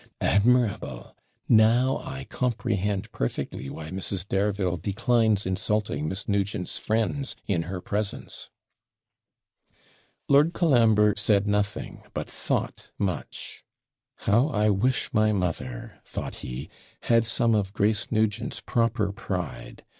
'Admirable! Now comprehend perfectly why Mrs. Dareville declines insulting Miss Nugent's friends in her presence.' Lord Colambre said nothing, but thought much. 'How I wish my mother,' thought he, 'had some of Grace Nugent's proper pride!